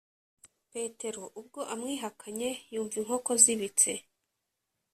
petero ubwo amwihakanye, yumv’ inkoko zibitse;